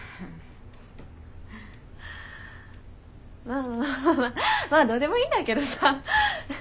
まあまあまあまあどうでもいいんだけどさ。